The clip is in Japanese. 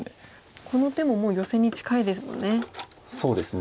この手ももうヨセに近いですもんね。